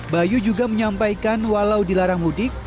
bayu juga menyampaikan walau dilarang mudik